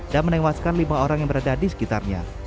dan menewaskan lima orang yang berada di sekitarnya